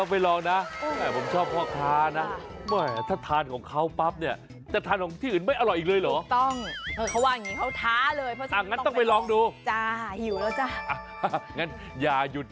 เพราะคุณจะกินที่อื่นไม่อร่อยอีกเลย